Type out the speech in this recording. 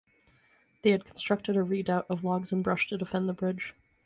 They had constructed a redoubt of logs and brush to defend the bridge.